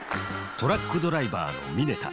トラックドライバーの峯田。